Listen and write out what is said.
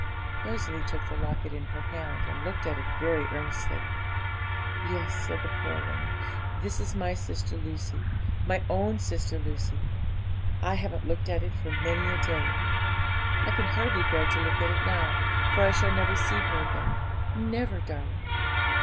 Rosalie took the locket in her hand, and looked at it very earnestly. 'Yes,' said the poor woman, 'that is my sister Lucy my own sister Lucy. I haven't looked at it for many a day; I can hardly bear to look at it now, for I shall never see her again never, darling!